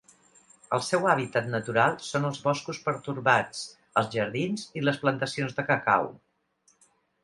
El seu hàbitat natural són els boscos pertorbats, els jardins i les plantacions de cacau.